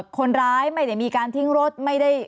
คนร้ายไม่ได้มีการทิ้งรถไม่ได้